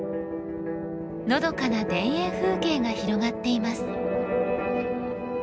のどかな田園風景が広がっています。